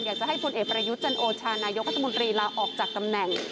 อยากจะให้พลเอกประยุทธ์จันโอชานายกรัฐมนตรีลาออกจากตำแหน่ง